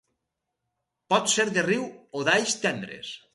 Pot ser de riu o d'alls tendres.